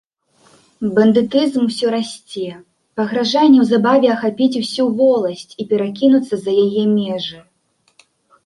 Бандытызм усё расце, пагражае неўзабаве ахапіць усю воласць і перакінуцца за яе межы.